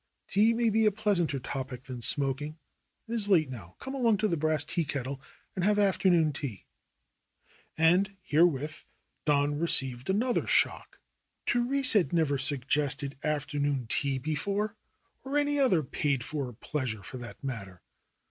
"Tea may be a pleasanter topic than smoking. It is late now. Come along to the Brass Tea Kettle and have afternoon tea." And herewith Don received another shock. Therese had never suggested afternoon tea before or any other paid for pleasure for that matter.